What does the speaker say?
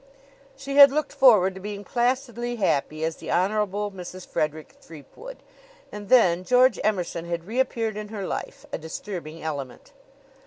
She had looked forward to being placidly happy as the Honorable Mrs. Frederick Threepwood. And then George Emerson had reappeared in her life, a disturbing element.